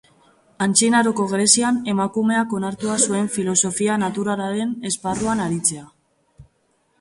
Antzinaroko Grezian, Emakumeak onartua zuen filosofia naturalaren esparruan aritzea.